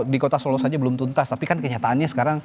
di kota solo saja belum tuntas tapi kan kenyataannya sekarang